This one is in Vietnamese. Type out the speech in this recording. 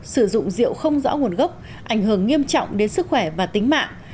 sử dụng rượu không rõ nguồn gốc ảnh hưởng nghiêm trọng đến sức khỏe và tính mạng